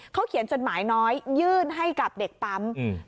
เขาเขียนจดหมายน้อยยื่นให้กับเด็กปั๊ม